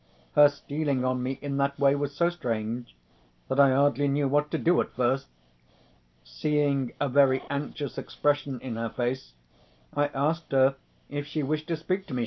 Her stealing on me in that way was so strange, that I hardly knew what to do at first. Seeing a very anxious expression in her face, I asked her if she wished to speak to me.